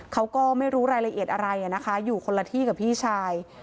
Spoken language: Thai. เขาก็ไม่รู้รายละเอียดอะไรนะคะอยู่คนละที่กับพี่ชาย